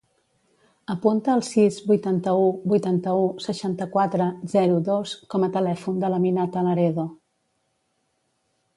Apunta el sis, vuitanta-u, vuitanta-u, seixanta-quatre, zero, dos com a telèfon de l'Aminata Laredo.